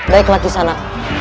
baiklah kisah nak